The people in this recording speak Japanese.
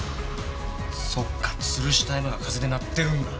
そっかつるした絵馬が風で鳴ってるんだ。